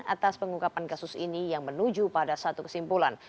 atas pengungkapan kasus ini yang menuju pada satu kesimpulan